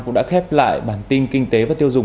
cũng đã khép lại bản tin kinh tế và tiêu dùng